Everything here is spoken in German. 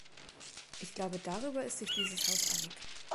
Ich glaube, darüber ist sich dieses Haus einig.